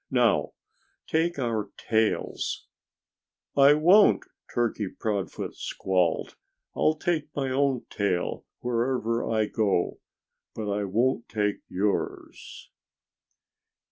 Now, take our tails " "I won't!" Turkey Proudfoot squalled. "I'll take my own tail wherever I go. But I won't take yours."